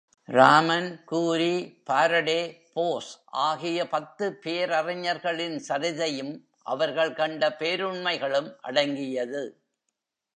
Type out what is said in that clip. Raman, Curie, Faraday, Bose ஆகிய பத்து பேரறிஞர்களின் சரிதையும் அவர்கள் கண்ட பேருண்மைகளும் அடங்கியது.